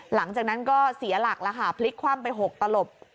หลังจากนั้นก็เสียหลักแล้วค่ะพลิกคว่ำไป๖ตลบ